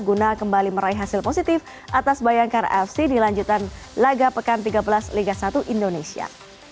guna kembali meraih hasil positif atas bayangkara fc di lanjutan laga pekan tiga belas liga satu indonesia